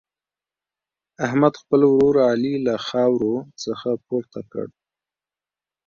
احمد، خپل ورور علي له خاورو څخه پورته کړ.